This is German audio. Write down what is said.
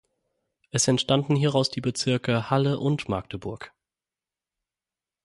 Es entstanden hieraus die Bezirke Halle und Magdeburg.